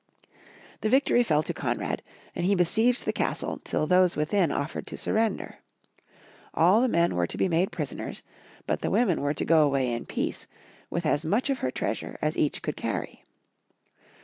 The victory fell to Konrad, and he besieged the castle till those within offered to surrender. All the men were to be made prisoners, but the women were to go away in peace, with as much of her treasure as each could carry.